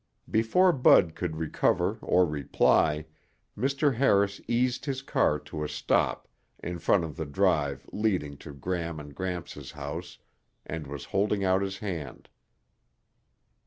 Before Bud could recover or reply, Mr. Harris eased his car to a stop in front of the drive leading to Gram and Gramps' house and was holding out his hand.